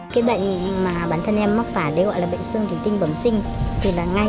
thưa quý vị mang trong mình căn bệnh xương thủy tinh bẩm sinh quái ác